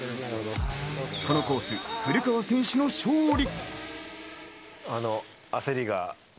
このコース、古川選手の勝利。